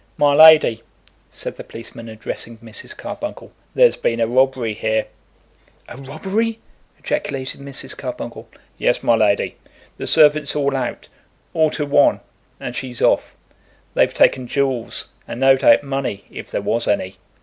"My lady," said the policeman, addressing Mrs. Carbuncle, "there's been a robbery here." "A robbery!" ejaculated Mrs. Carbuncle. "Yes, my lady. The servants all out, all to one; and she's off. They've taken jewels, and, no doubt, money, if there was any.